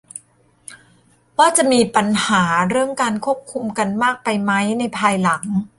ว่าจะมีปัญหาเรื่องการควบคุมกันมากไปไหมในภายหลัง